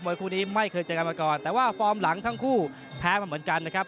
คู่นี้ไม่เคยเจอกันมาก่อนแต่ว่าฟอร์มหลังทั้งคู่แพ้มาเหมือนกันนะครับ